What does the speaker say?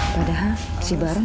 padahal si barahun